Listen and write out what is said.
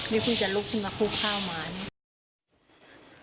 มีคนจะลุกขึ้นมาคู่ข้าวหมาเนี่ย